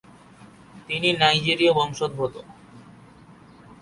তিনি নাইজেরীয় বংশোদ্ভূত।